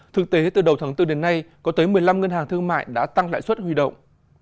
thực tế từ đầu tháng bốn đến nay có tới một mươi năm ngân hàng thương mại đã tăng lãi suất huy động